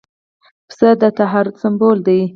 پسه د طهارت سمبول دی.